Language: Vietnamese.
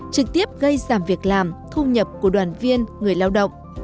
trực tiếp gây giảm việc làm thu nhập của đoàn viên người lao động